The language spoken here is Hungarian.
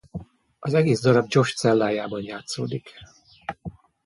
Az egész darab Josh cellájában játszódik.